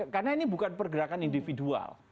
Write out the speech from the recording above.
karena ini bukan pergerakan individual